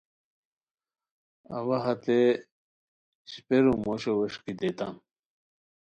اوا ہتے اشپیرو موشو وݰکی دیتام